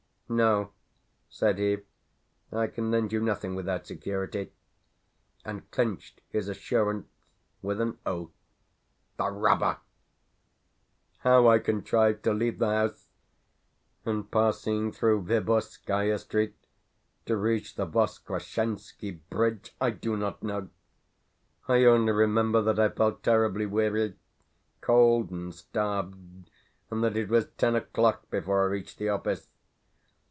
"No," said he, "I can lend you nothing without security," and clinched his assurance with an oath, the robber! How I contrived to leave the house and, passing through Viborskaia Street, to reach the Voskresenski Bridge I do not know. I only remember that I felt terribly weary, cold, and starved, and that it was ten o'clock before I reached the office.